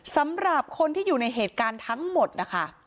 สำหรับคนที่อยู่ในเหตุการณ์ทั้งหมดนะคะ